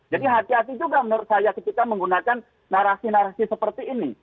jadi hati hati juga menurut saya kita menggunakan narasi narasi seperti ini